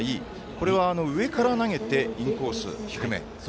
これは上から投げてインコース低め。